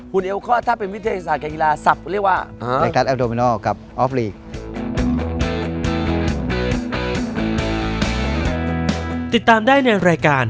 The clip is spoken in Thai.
หุ่นเอลคอร์ถ้าเป็นวิทยาศาสตร์กางเกียราศศัพท์เรียกว่า